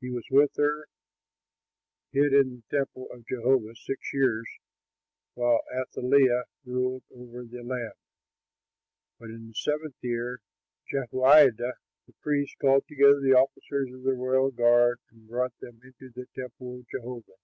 He was with her, hid in the temple of Jehovah, six years, while Athaliah ruled over the land. But in the seventh year Jehoiada the priest called together the officers of the royal guard and brought them into the temple of Jehovah.